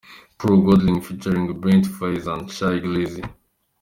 "Crew" — Goldlink Featuring Brent Faiyaz & Shy Glizzy.